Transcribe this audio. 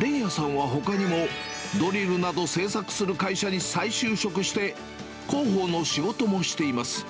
連也さんはほかにも、ドリルなど製作する会社に再就職して、広報の仕事もしています。